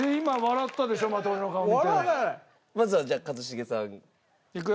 まずはじゃあ一茂さん。いくよ。